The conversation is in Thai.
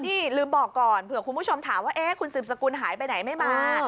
นี่ลืมบอกก่อนเผื่อคุณผู้ชมถามว่าคุณสืบสกุลหายไปไหนไม่มา